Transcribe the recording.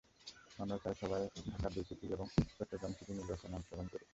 আমরা চাই, সবাই ঢাকার দুই সিটি এবং চট্টগ্রাম সিটির নির্বাচনে অংশগ্রহণ করুক।